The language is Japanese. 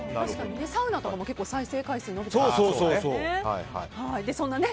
サウナとかも再生回数伸びていますもんね。